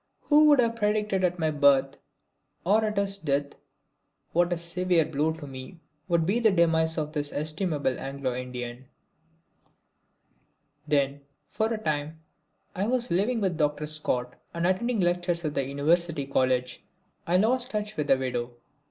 Who would have predicted at my birth or at his death what a severe blow to me would be the demise of this estimable Anglo Indian! Then, for a time, while I was living with Dr. Scott and attending lectures at the University College, I lost touch with the widow.